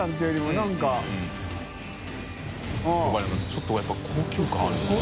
ちょっとやっぱ高級感あるよな。